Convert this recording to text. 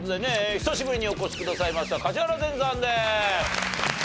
久しぶりにお越しくださいました梶原善さんです。